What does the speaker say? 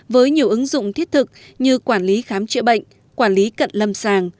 với nhiều ứng dụng thiết thực như quản lý khám chữa bệnh quản lý cận lâm sàng